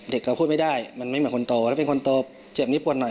เราพูดไม่ได้มันไม่เหมือนคนโตแล้วเป็นคนโตเจ็บนี้ปวดหน่อย